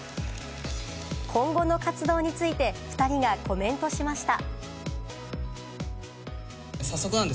今後の活動について２人がコメントしました。